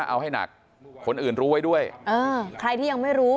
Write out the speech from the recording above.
เอาให้หนักคนอื่นรู้ไว้ด้วยเออใครที่ยังไม่รู้